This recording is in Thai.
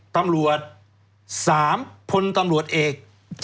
ตำรวจ๓พลตำรวจเอก